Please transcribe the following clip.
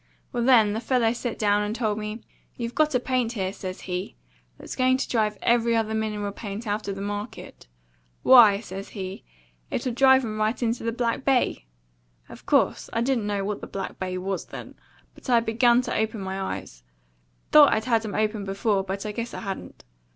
"Well, then, the fellow set down and told me, 'You've got a paint here,' says he, 'that's going to drive every other mineral paint out of the market. Why' says he, 'it'll drive 'em right into the Back Bay!' Of course, I didn't know what the Back Bay was then, but I begun to open my eyes; thought I'd had 'em open before, but I guess I hadn't.